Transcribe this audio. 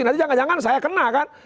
nanti jangan jangan saya kena kan